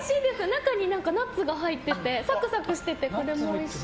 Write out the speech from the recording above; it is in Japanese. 中にナッツが入っていてサクサクしてて、これもおいしい。